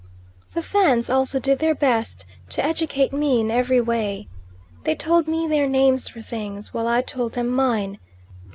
The Fans also did their best to educate me in every way: they told me their names for things, while I told them mine.